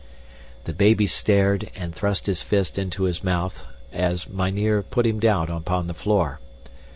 The baby stared and thrust his fist into his mouth as mynheer put him down upon the floor.